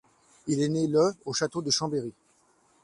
Il est né le au château de Chambéry.